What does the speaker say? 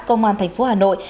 công an thành phố hà nội